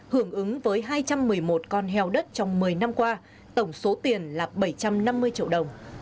hưởng ứng với hai trăm một mươi một con heo đất trong một mươi năm qua tổng số tiền là bảy trăm năm mươi triệu đồng